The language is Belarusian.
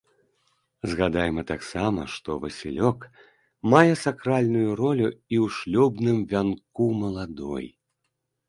Згадайма таксама, што васілёк мае сакральную ролю і ў шлюбным вянку маладой.